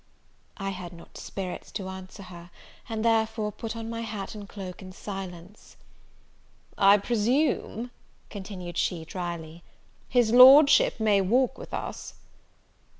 I had not spirits to answer her, and therefore put on my hat and cloak in silence. "I presume," continued she, drily, "his Lordship may walk with us."